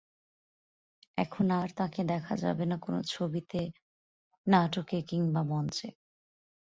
এখন আর তাঁকে দেখা যাবে না কোনো ছবিতে, নাটকে কিংবা মঞ্চে।